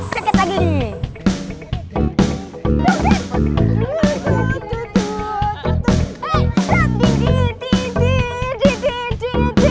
seket lagi nih